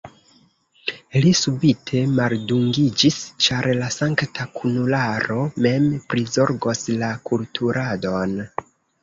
Li subite maldungiĝis, ĉar la sankta kunularo mem prizorgos la kulturadon.